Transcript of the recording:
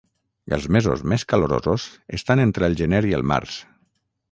Els mesos més calorosos estan entre el gener i el març.